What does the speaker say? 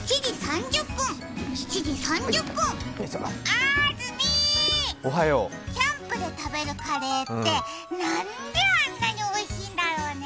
あーずみー、キャンプで食べるカレーってなんであんなにおいしいんだろうね。